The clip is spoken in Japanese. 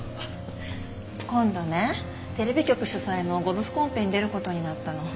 今度ねテレビ局主催のゴルフコンペに出る事になったの。